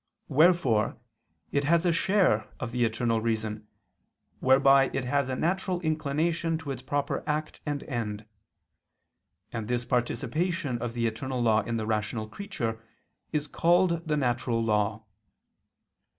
Wherefore it has a share of the Eternal Reason, whereby it has a natural inclination to its proper act and end: and this participation of the eternal law in the rational creature is called the natural law.